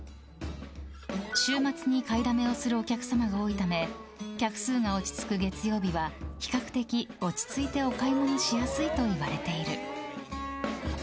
週末に買いだめをするお客様が多いため客数が落ち着く月曜日は比較的、落ち着いてお買い物しやすいといわれている。